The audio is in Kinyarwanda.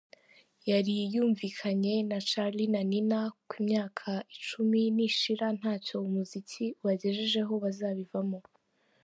Yari yumvikanye na Charly na Nina ko imyaka icumi nishira ntacyo umuziki ubagejejeho bazabivamo.